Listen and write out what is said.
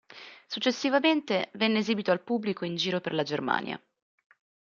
Successivamente, venne esibito al pubblico in giro per la Germania.